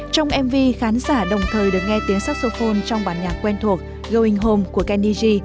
trong mv khán giả đồng thời được nghe tiếng saxophone trong bản nhạc quen thuộc going home của kenny g